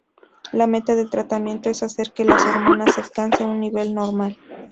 La meta del tratamiento es hacer que las hormonas alcancen un nivel normal.